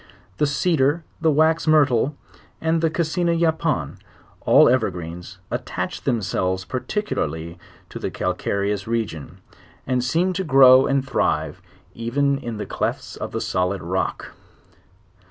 The cedar, the wax myrtle, and the cassina yapon, all ever greens, attach themselves particularly to the calcareous re gion, and seem to grow and thrive even in the clefts of the solid rock.